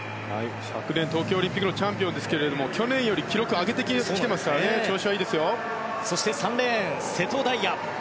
昨年、東京オリンピックのチャンピオンですが去年より記録を上げてきていますから３レーン、瀬戸大也。